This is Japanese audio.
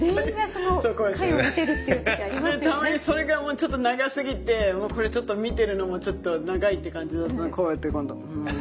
みんなそうみんなたまにそれがもうちょっと長すぎてもうこれちょっと見てるのもちょっと長いって感じだとこうやって今度うん。